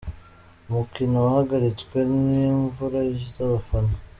Umukino wahagaritswe n’imvururu z’abafana